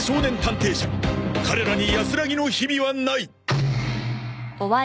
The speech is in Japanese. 彼らに安らぎの日々はない